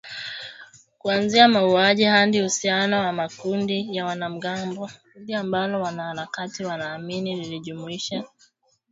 Kuanzia mauaji hadi uhusiano na makundi ya wanamgambo, kundi ambalo wanaharakati wanaamini lilijumuisha zaidi ya darzeni tatu za wa-shia.